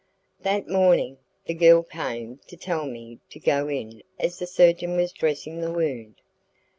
That morning, the girl came to tell me to go in as the surgeon was dressing the wound.